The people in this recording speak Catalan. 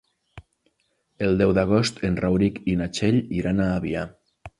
El deu d'agost en Rauric i na Txell iran a Avià.